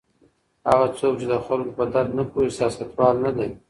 هغه څوک چې د خلکو په درد نه پوهیږي سیاستوال نه دی.